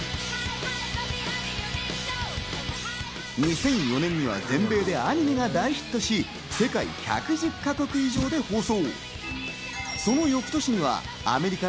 ２００４年には全米でアニメが大ヒットし、世界１１０か国以上で放送。